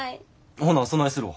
ほなそないするわ。